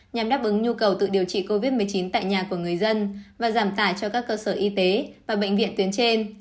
nhằm đáp ứng nhu cầu tự điều trị covid một mươi chín tại nhà của người dân và giảm tải cho các cơ sở y tế và bệnh viện tuyến trên